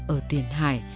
ở tiền hải